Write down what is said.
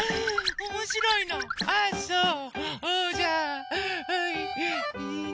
おもしろい？